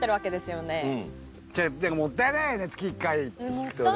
もったいないよね月１回って聞くとね。